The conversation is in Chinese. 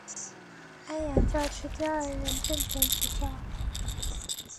安阳教区第二任正权主教。